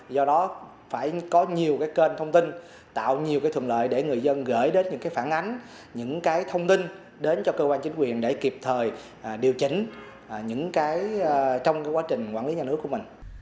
do đó phải có nhiều kênh thông tin tạo nhiều thùm lợi để người dân gửi đến những phản ánh những thông tin đến cơ quan chính quyền để kịp thời điều chỉnh trong quá trình quản lý nhà nước của mình